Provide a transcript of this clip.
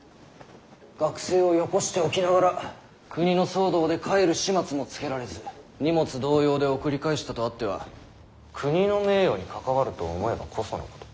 学生をよこしておきながら国の騒動で帰る始末もつけられず荷物同様で送り返したとあっては国の名誉に関わると思えばこそのこと。